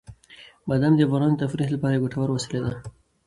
بادام د افغانانو د تفریح لپاره یوه ګټوره وسیله ده.